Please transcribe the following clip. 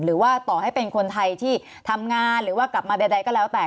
หรือว่าต่อให้เป็นคนไทยที่ทำงานหรือว่ากลับมาใดก็แล้วแต่